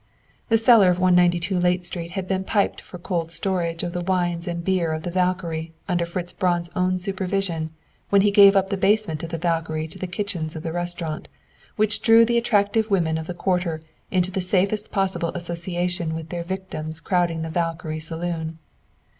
The cellar of No. 192 Layte Street had been piped for cold storage of the wines and beer of the "Valkyrie" under Fritz Braun's own supervision when he gave up the basement of the "Valkyrie" to the kitchens of the restaurant, which drew the attractive women of the quarter into the safest possible association with their victims crowding the "Valkyrie" saloon.